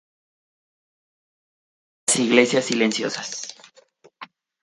По німих церквах стогнуть дзвони.